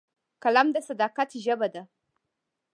قلم د صداقت ژبه ده